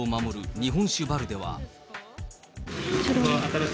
日本酒バルでは。